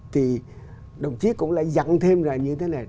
thì đồng chí cũng lại dặn thêm ra như thế này